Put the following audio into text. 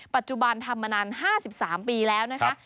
ปัจจุบันทำมานาน๕๓ปีแล้วนะคะ